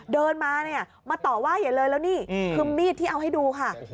เดินมาเนี่ยมาต่อว่าอย่าเลยแล้วนี่คือมีดที่เอาให้ดูค่ะ